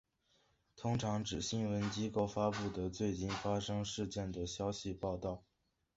通常指新闻机构发布的最近发生事件的消息报道。